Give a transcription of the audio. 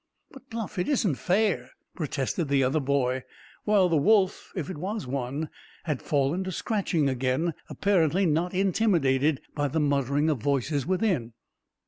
"But, Bluff, it isn't fair!" protested the other boy, while the wolf, if it was one, had fallen to scratching again, apparently not intimidated by the muttering of voices within.